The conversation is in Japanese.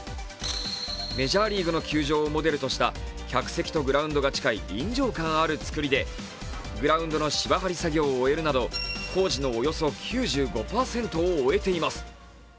メジャーリーグの球場をモデルとした客席とグラウンドが近い臨場感ある作りでグラウンドの芝張り作業を終えるなと、工事のおよそ９５％を終えています。